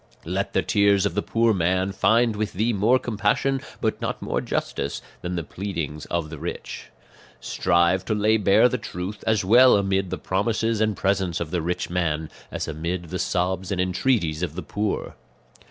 "Let the tears of the poor man find with thee more compassion, but not more justice, than the pleadings of the rich. "Strive to lay bare the truth, as well amid the promises and presents of the rich man, as amid the sobs and entreaties of the poor.